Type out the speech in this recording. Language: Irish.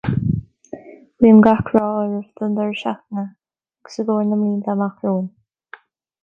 Guím gach rath oraibh don deireadh seachtaine agus i gcomhair na mblianta amach romhainn